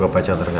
ah seputar ini